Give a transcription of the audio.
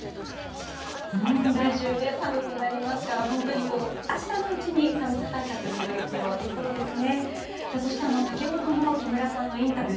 来週寒くなりますから本当に、明日のうちに寒さ対策をする必要がありそうですね。